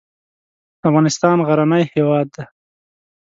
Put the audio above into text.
افغانستان غرنی هېواد دی.